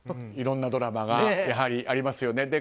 いろんなドラマがありますよね。